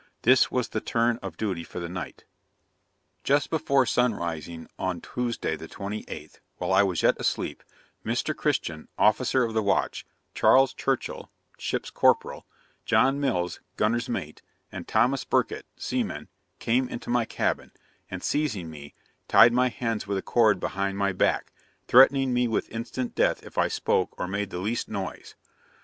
This was the turn of duty for the night. 'Just before sun rising on Tuesday the 28th, while I was yet asleep, Mr. Christian, officer of the watch, Charles Churchill, ship's corporal, John Mills, gunner's mate, and Thomas Burkitt, seaman, came into my cabin, and seizing me, tied my hands with a cord behind my back, threatening me with instant death if I spoke or made the least noise.